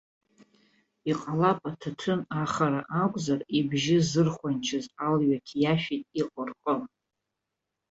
Иҟалап аҭаҭын ахара акәзар ибжьы зырхәанчаз, алҩақ иашәит иҟырҟы.